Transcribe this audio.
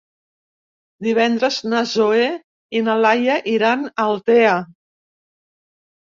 Divendres na Zoè i na Laia iran a Altea.